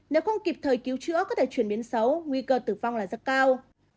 nếu không kịp thời cứu chữa có thể chuyển biến xấu nguy cơ tử vong là rất cao